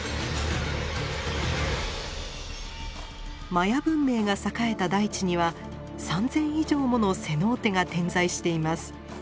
マヤ文明が栄えた大地には３，０００以上ものセノーテが点在しています。